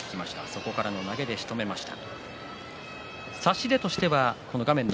そこからの投げで勝ちました。